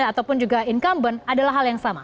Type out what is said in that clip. ataupun juga incumbent adalah hal yang sama